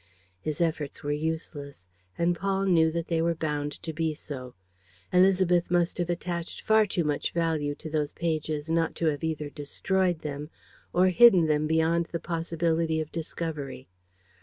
His efforts were useless; and Paul knew that they were bound to be so. Élisabeth must have attached far too much value to those pages not to have either destroyed them or hidden them beyond the possibility of discovery.